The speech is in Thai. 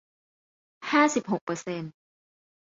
ห้าสิบหกเปอร์เซนต์